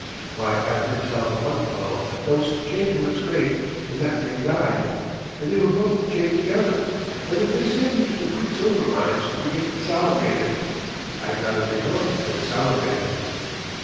Why, I've heard tell of one fellow that was chained to his mate, and that mate died. And they were both chained together! And if they send you to the quicksilver mines you get salivated. I'd rather be hung than salivated."